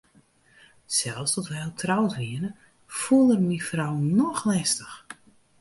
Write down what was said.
Sels doe't wy al troud wiene, foel er myn frou noch lestich.